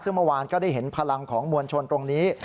ซึ่งเมื่อวานก็ได้เห็นพลังของมวลชนตรงนี้